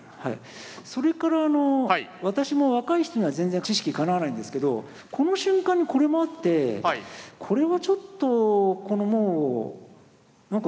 それからあの私も若い人には全然知識かなわないんですけどこの瞬間にこれもあってこれはちょっとこのもうなんか。